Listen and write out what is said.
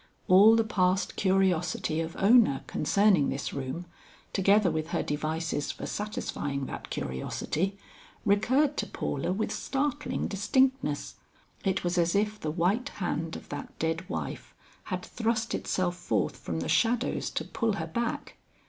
All the past curiosity of Ona concerning this room, together with her devices for satisfying that curiosity, recurred to Paula with startling distinctness. It was as if the white hand of that dead wife had thrust itself forth from the shadows to pull her back.